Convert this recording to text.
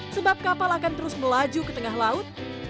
sebab kapal akan terus melaju ke tengah laut